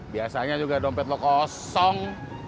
biasanya juga dompet lo kosong